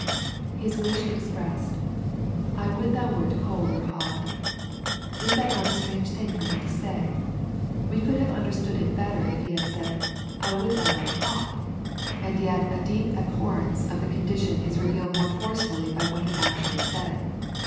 His wish expressed, " I would thou wert cold or hot." Is not that a strange thing for Him to say? We could have understood it better if He had said, " I would thou wert hot." And yet a deep abhorrence of the con dition is revealed more forcefully by what He actually said.